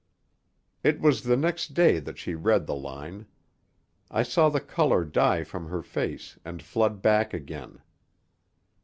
It was the next day that she read the line. I saw the color die from her face and flood back again.